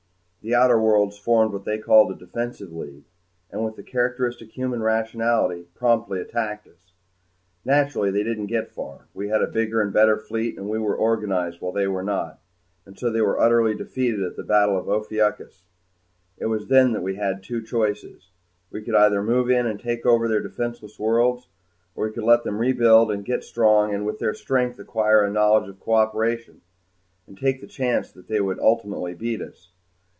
The outer worlds formed what they called a defensive league and with characteristic human rationality promptly attacked us. Naturally, they didn't get far. We had a bigger and better fleet and we were organized while they were not. And so they were utterly defeated at the Battle of Ophiuchus. It was then that we had two choices. We could either move in and take over their defenseless worlds, or we could let them rebuild and get strong, and with their strength acquire a knowledge of cooperation and take the chance that they would ultimately beat us.